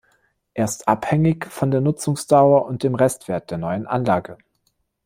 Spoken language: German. Er ist abhängig von der Nutzungsdauer und dem Restwert der neuen Anlage.